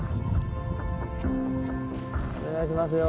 お願いしますよ。